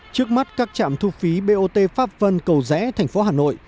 trước mắt các trạm thu phí bot pháp vân cầu rẽ thành phố hà nội